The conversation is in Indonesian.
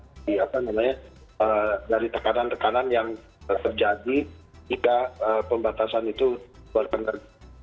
jadi apa namanya dari tekanan tekanan yang terjadi jika pembatasan itu berkenan